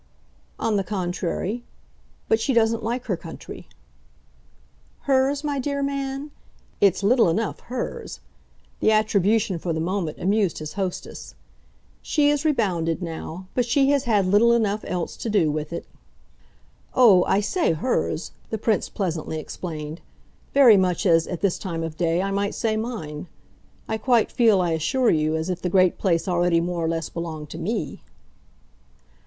"On the contrary. But she doesn't like her country." "Hers, my dear man? it's little enough 'hers.'" The attribution, for the moment, amused his hostess. "She has rebounded now but she has had little enough else to do with it." "Oh, I say hers," the Prince pleasantly explained, "very much as, at this time of day, I might say mine. I quite feel, I assure you, as if the great place already more or less belonged to ME."